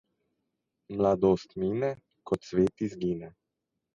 Mladost mine, ko cvet izgine.